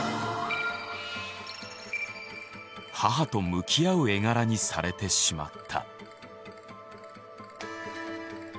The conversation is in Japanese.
母と向き合う絵柄にされてしまった。